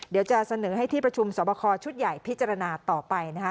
เดี๋ยวจะเสนอให้ที่ประชุมสอบคอชุดใหญ่พิจารณาต่อไปนะคะ